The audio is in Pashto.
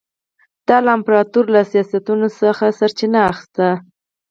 دا له امپراتور له سیاستونو څخه سرچینه اخیسته.